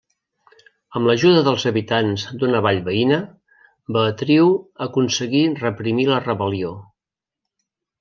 Amb l'ajuda dels habitants d'una vall veïna, Beatriu aconseguí reprimir la rebel·lió.